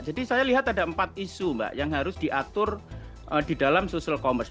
jadi saya lihat ada empat isu mbak yang harus diatur di dalam sosial commerce